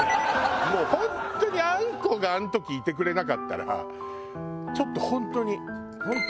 もう本当にあんこがあの時いてくれなかったらちょっと本当に。